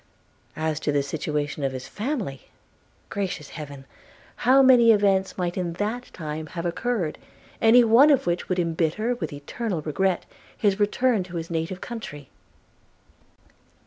As to the situation of his family – Gracious Heaven! how many events might in that time have occurred, any one of which would embitter, with eternal regret, his return to his native country.